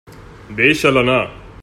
Deixa'l anar.